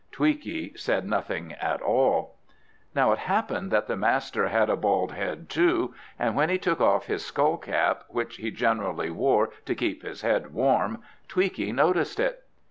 Tweaky said nothing at all. Now it happened that the master had a bald head too, and when he took off his skull cap, which he generally wore to keep his head warm, Tweaky noticed it.